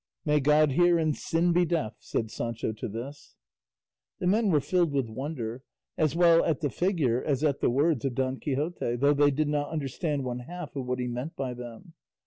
"May God hear and sin be deaf," said Sancho to this. The men were filled with wonder, as well at the figure as at the words of Don Quixote, though they did not understand one half of what he meant by them.